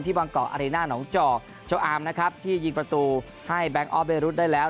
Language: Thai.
ที่วังเกาะอารีนาหนองจอชาวอาร์มนะครับที่ยิงประตูให้แบงค์ออฟเบรุตได้แล้ว